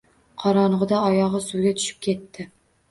Qorong‘ida oyog‘i suvga tushib ketdi.